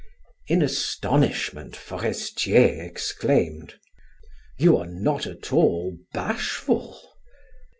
In astonishment, Forestier exclaimed: "You are not at all bashful!"